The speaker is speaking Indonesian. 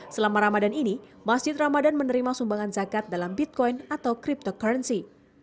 selama ramadan ini masjid ramadan menerima sumbangan zakat dalam bitcoin atau cryptocurrency